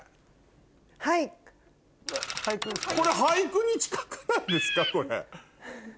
これ俳句に近くないですか？